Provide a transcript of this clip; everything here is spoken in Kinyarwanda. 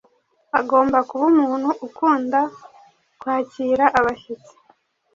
Agomba kuba umuntu ukunda kwakira abashyitsi